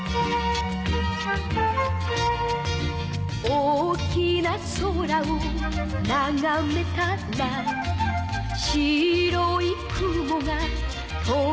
「大きな空をながめたら」「白い雲が飛んでいた」